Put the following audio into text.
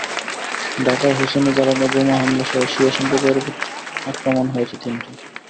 ঢাকায় হোসেনি দালানে বোমা হামলাসহ শিয়া সম্প্রদায়ের ওপর আক্রমণ হয়েছে তিনটি।